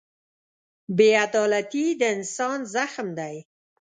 بېعدالتي د انسانیت زخم دی.